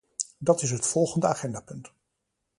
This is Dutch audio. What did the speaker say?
Dat is het volgende agendapunt.